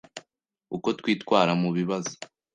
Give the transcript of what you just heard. Uko twitwara mu bibazo